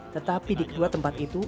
tetapi di kedua tempat itu